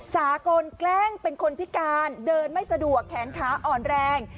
สากลแกล้งเป็นคนพิการเดินไม่สะดวกแขนขาอ่อนแรง